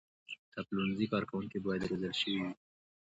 د پلورنځي کارکوونکي باید روزل شوي وي.